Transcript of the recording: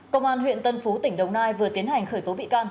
công an huyện tân phú tỉnh đồng nai vừa tiến hành khởi tố bị can